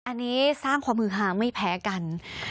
อันนี้สร้างความมือฮาไม่แพ้กัน